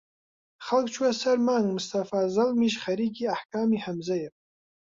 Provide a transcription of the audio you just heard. خەڵک چووە سەر مانگ مستەفا زەڵمیش خەریکی ئەحکامی هەمزیە